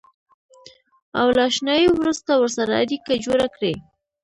او له اشنایۍ وروسته ورسره اړیکه جوړه کړئ.